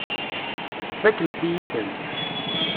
Tfakemt-iyi-ten.